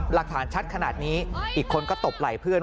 หลักฐานชัดขนาดนี้อีกคนก็ตบไหล่เพื่อน